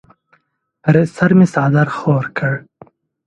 پر سر مې څادر خور کړ.